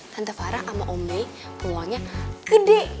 tante farah sama ombe peluangnya gede